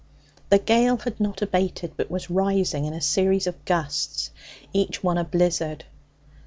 The gale had not abated, but was rising in a series of gusts, each one a blizzard.